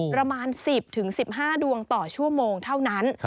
ประมาณ๑๐๑๕ดวงต่อชั่วโมงเท่านั้น